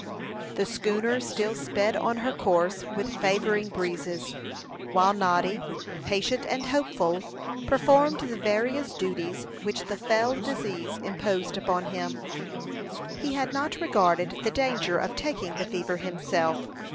The schooner still sped on her course with favoring breezes; while Noddy, patient and hopeful, performed the various duties which the fell disease imposed upon him. He had not regarded the danger of taking the fever himself.